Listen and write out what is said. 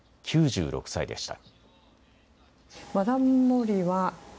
９６歳でした。